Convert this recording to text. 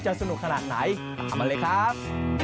สนุกขนาดไหนตามมาเลยครับ